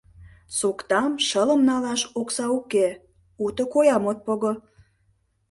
Соктам, шылым налаш окса уке — уто коям от пого.